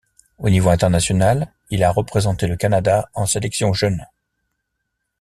Au niveau international, il a représenté le Canada en sélection jeune.